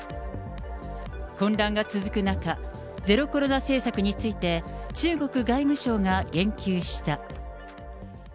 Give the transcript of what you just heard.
混乱が続く中、ゼロコロナ政策について、中国外務省が言及した。